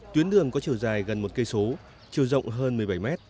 tuyến đường có chiều dài gần một km chiều rộng hơn một mươi bảy m